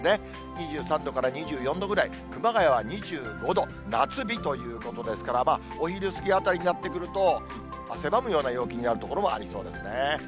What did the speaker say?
２３度から２４度ぐらい、熊谷は２５度、夏日ということですから、お昼過ぎあたりになってくると、汗ばむような陽気になる所もありそうですね。